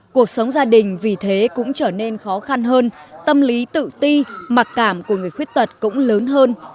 cuộc sống gia đình vì thế cũng trở nên khó khăn hơn tâm lý tự ti mặc cảm của người khuyết tật cũng lớn hơn